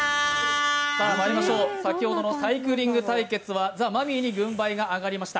まいりましょう、先ほどのサイクリング対決はザ・マミィに軍配が上がりました。